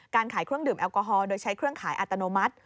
ขายเครื่องดื่มแอลกอฮอล์โดยใช้เครื่องขายอัตโนมัติ